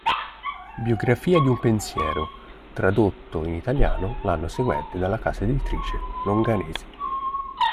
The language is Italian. Biografia di un pensiero", tradotto in italiano l'anno seguente dalla casa editrice Longanesi.